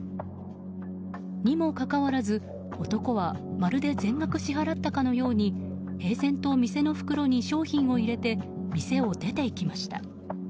にもかかわらず、男はまるで全額支払ったかのように平然と店の袋に商品を入れて店を出て行きました。